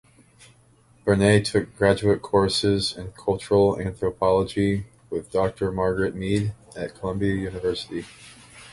Bernay took graduate courses in Cultural Anthropology with Doctor Margaret Mead at Columbia University.